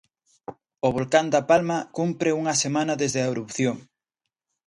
O volcán da Palma cumpre unha semana desde a erupción.